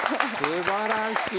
素晴らしい。